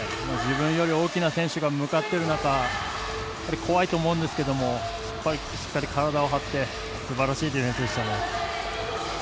自分より大きな選手が向かっている中怖いと思うんですけどしっかり体を張ってすばらしいディフェンスでしたね。